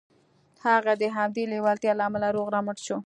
هغه د همدې لېوالتیا له امله روغ رمټ شو